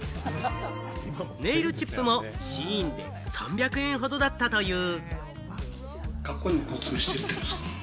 ネイルチップもシーインで３００円ほどだったという。